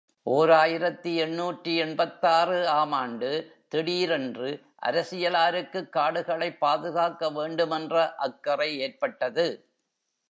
ஓர் ஆயிரத்து எண்ணூற்று எண்பத்தாறு ஆம் ஆண்டு திடீரென்று அரசியலாருக்குக் காடுகளைப் பாதுகாக்கவேண்டும் என்ற அக்கறை ஏற்பட்டது.